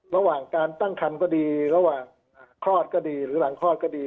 ระหว่างการตั้งคันก็ดีระหว่างคลอดก็ดีหรือหลังคลอดก็ดี